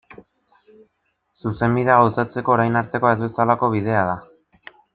Zuzenbidea gauzatzeko orain artekoa ez bezalako bidea da.